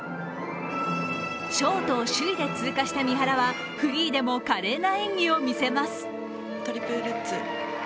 ショートを首位で通過した三原はフリーでも華麗な演技を見せます。